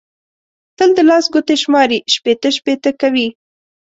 تل د لاس ګوتې شماري؛ شپېته شپېته کوي.